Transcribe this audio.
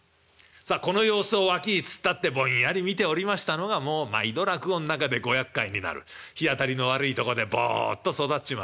さあこの様子を脇に突っ立ってぼんやり見ておりましたのがもう毎度落語の中でごやっかいになる日当たりの悪いとこでぼっと育っちまった。